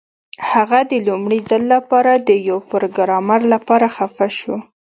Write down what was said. هغه د لومړي ځل لپاره د یو پروګرامر لپاره خفه شو